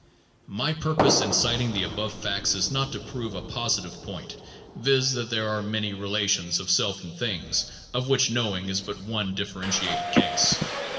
My purpose in citing the above facts is not to prove a positive point, viz., that there are many relations of self and things, of which knowing is but one differentiated case.